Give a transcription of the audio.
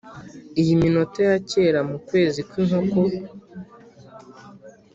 iyi minota ya kera mukwezi kwinkoko,